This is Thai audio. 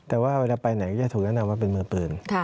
แต่ว่าเวลาไปไหนจะถูกแนะนำว่าเป็นมือปืน